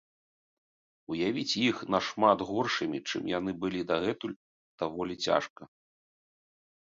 Уявіць іх нашмат горшымі, чым яны былі дагэтуль, даволі цяжка.